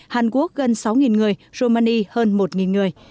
hàn quốc gần sáu người romani hơn một người